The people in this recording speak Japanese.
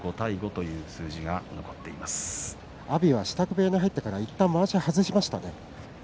阿炎は支度部屋に入ってからいったん、まわしを外しましたね。